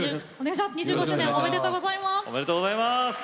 ２５周年、おめでとうございます。